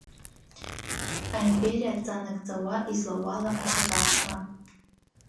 Аимпериа адҵа нагӡауа, излауала ашьакаршра.